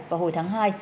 vào hồi tháng hai